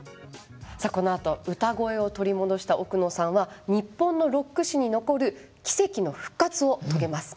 さあこのあと歌声を取り戻した奥野さんは日本のロック史に残る奇跡の復活を遂げます。